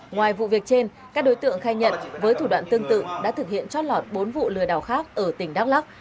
ngoài vụ việc trên các đối tượng khai nhận với thủ đoạn tương tự đã thực hiện chót lọt bốn vụ lừa đảo khác ở tỉnh đắk lắc